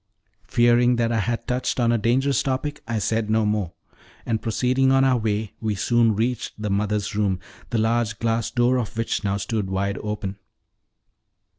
Fearing that I had touched on a dangerous topic, I said no more, and proceeding on our way, we soon reached the mother's room, the large glass door of which now stood wide open.